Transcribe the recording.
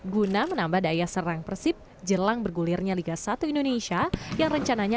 guna menambah daya serang persib jelang bergulirnya liga satu indonesia yang rencananya